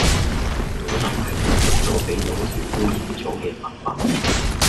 可能係接觸左俾老鼠污染左既物品